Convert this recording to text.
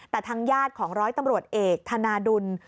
แต่ทางญาติของร้อยตำรวจเอกธนาดุล